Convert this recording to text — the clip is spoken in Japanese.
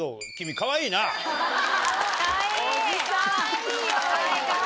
かわいいよ！